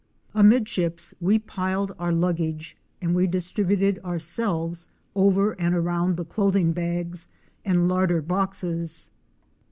217 Amidships was piled our luggage and we distributed our. selves over and around the clothing bags and larder boxes.